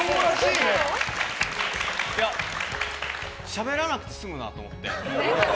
しゃべらなくて済むなと思って。